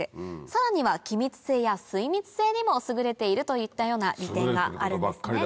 さらには気密性や水密性にも優れているといったような利点があるんですね。